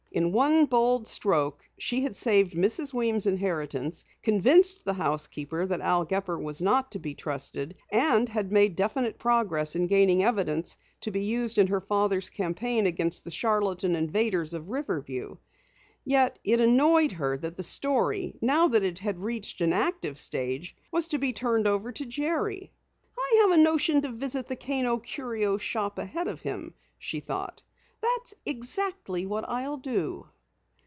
In one bold stroke she had saved Mrs. Weems' inheritance, convinced the housekeeper that Al Gepper was not to be trusted, and had made definite progress in gaining evidence to be used in her father's campaign against the charlatan invaders of Riverview. Yet it annoyed her that the story, now that it had reached an active stage, was to be turned over to Jerry. "I have a notion to visit the Kano Curio Shop ahead of him," she thought. "That's exactly what I'll do!"